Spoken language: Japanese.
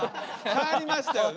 変わりましたよね？